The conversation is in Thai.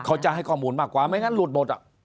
เขาจะให้ข้อมูลมากกว่าไม่งั้นหลุดหมด